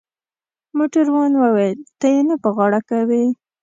موټروان وویل: ته يې نه په غاړه کوې؟